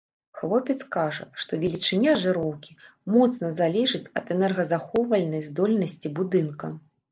Хлопец кажа, што велічыня жыроўкі моцна залежыць ад энергазахоўвальнай здольнасці будынка.